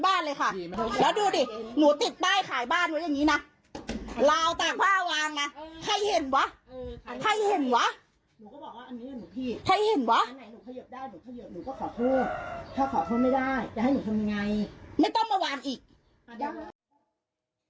บ้านเลยค่ะแล้วดูดิหนูติดใบขายบ้านไว้อย่างงี้นะเปล่าตักผ้าวางมาให้เห็นวะ